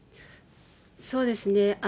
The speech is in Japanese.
そうですね。